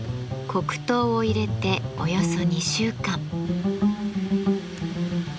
黒糖を入れておよそ２週間。